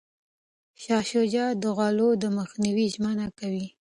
شاه شجاع د غلو د مخنیوي ژمنه کوي.